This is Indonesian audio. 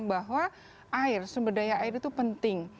bahwa air sumber daya air itu penting